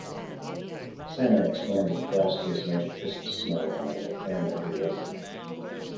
Santa explains that Frosty is made of Christmas snow and will return every winter.